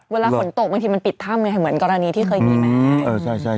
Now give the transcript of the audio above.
เวลาฝนตกบางทีมันปิดถ้ำไงเหมือนกรณีที่เคยมีไหม